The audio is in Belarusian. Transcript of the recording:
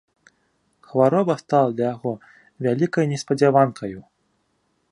Хвароба стала для яго вялікай неспадзяванкаю.